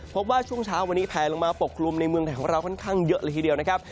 พบว่าช่วงเช้าวันนี้แผลลงมาปกคลุมในเมืองไทยของเราค่อนข้างเยอะเลยทีเดียวนะครับ